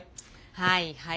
はいはい。